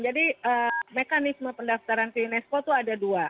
jadi mekanisme pendaftaran ke unesco itu ada dua